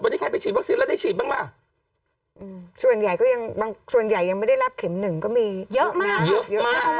วันนี้ใครไปฉีดวัคซีนแล้วได้ฉีดบ้างป่ะส่วนใหญ่ก็ยังบางส่วนใหญ่ยังไม่ได้รับเข็มหนึ่งก็มีเยอะมากเยอะเยอะมาก